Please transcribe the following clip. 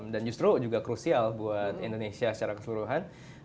dan justru juga crucial buat indonesia secara keseluruhan